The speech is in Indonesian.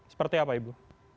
seperti apa ibu